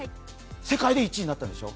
世界で１位になったんでしょ。